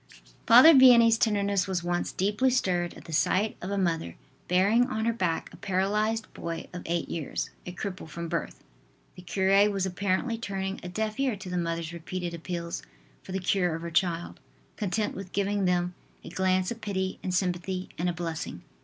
Father Vianney's tenderness was once deeply stirred at the sight of a mother bearing on her back a paralyzed boy of eight years, a cripple from birth. The cure was apparently turning a deaf ear to the mother's repeated appeals for the cure of her child, content with giving them a glance of pity and sympathy and a blessing.